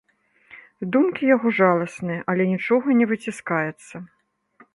Думкі яго жаласныя, але нічога не выціскаецца.